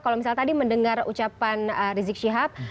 kalau misalnya tadi mendengar ucapan rizik syihab